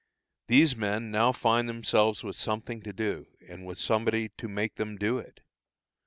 These men now find themselves with something to do, and with somebody to make them do it.